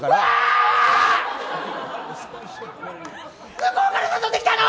向こうから誘ってきたの？